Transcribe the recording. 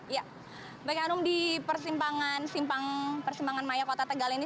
ya baik hanum di simpang persimpangan maya kota tegal ini